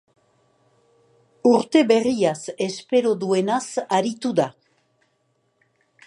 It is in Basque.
Urte berriaz espero duenaz aritu da.